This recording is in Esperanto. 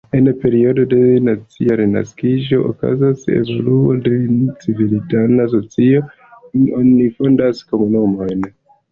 En periodo de nacia renaskiĝo okazas evoluo de civitana socio, oni fondas komunumojn.